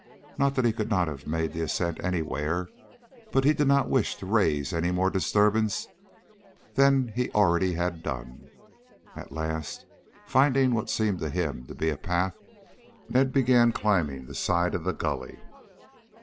Not that he could not have made the ascent anywhere, but that he did not wish to raise any more disturbance than he already had done. At last, finding what seemed to him to be a path, Ned began climbing the side of the gully.